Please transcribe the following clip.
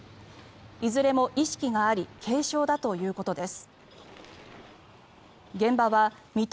いずれも意識があり軽傷だということです。